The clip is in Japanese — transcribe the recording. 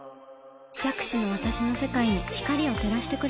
弱視の私の世界に光を照らしてくれたの。